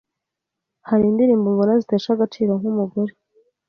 Hariho indirimbo mbona zitesha agaciro nkumugore.